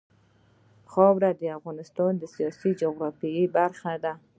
خاوره د افغانستان د سیاسي جغرافیه برخه ده.